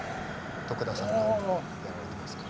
得田さんが音楽やられてますから。